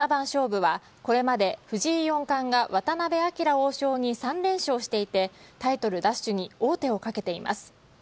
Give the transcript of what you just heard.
先月始まった王将戦七番勝負はこれまで藤井四冠が渡辺明王将に３連勝していて、タイトル奪取に王手をかけています。